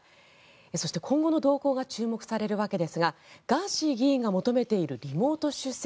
そして今後の動向が注目されるわけですがガーシー議員が求めているリモート出席